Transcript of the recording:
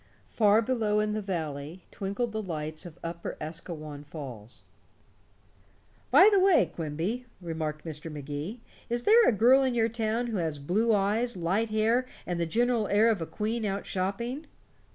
Far below, in the valley, twinkled the lights of Upper Asquewan Falls. "By the way, Quimby," remarked Mr. Magee, "is there a girl in your town who has blue eyes, light hair, and the general air of a queen out shopping?"